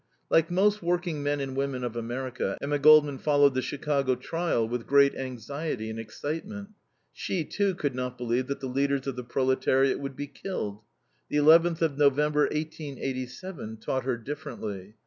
Like most working men and women of America, Emma Goldman followed the Chicago trial with great anxiety and excitement. She, too, could not believe that the leaders of the proletariat would be killed. The 11th of November, 1887, taught her differently.